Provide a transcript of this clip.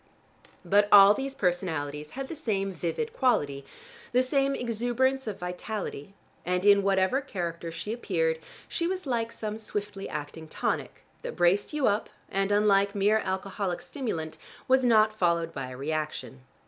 But all these personalities had the same vivid quality, the same exuberance of vitality, and in whatever character she appeared she was like some swiftly acting tonic, that braced you up and, unlike mere alcoholic stimulant, was not followed by a reaction.